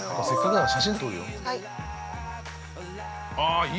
◆はい。